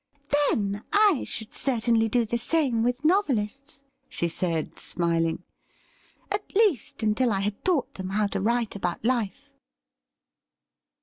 ' Then, I should certainly do the same with novelists,' she said, smiling ;' at least, until I had taught them how to write about life.'